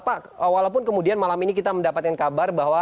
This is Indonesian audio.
pak walaupun kemudian malam ini kita mendapatkan kabar bahwa